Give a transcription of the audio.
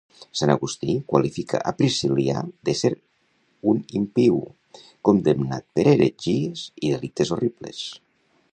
Sant Agustí qualifica a Priscil·lià d'ésser un impiu, condemnat per heretgies i delictes horribles.